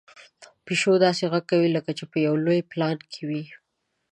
پيشو داسې غږ کوي لکه چې په یو لوی پلان کې وي.